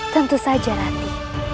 tentu saja nanti